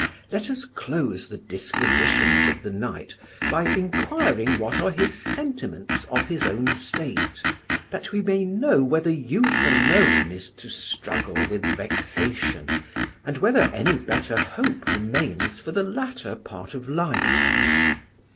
Let us close the disquisitions of the night by inquiring what are his sentiments of his own state, that we may know whether youth alone is to struggle with vexation, and whether any better hope remains for the latter part of life."